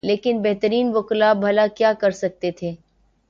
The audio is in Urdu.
لیکن بہترین وکلا بھلا کیا کر سکتے تھے۔